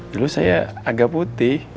dulu saya agak putih